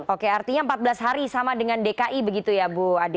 oke artinya empat belas hari sama dengan dki begitu ya bu ade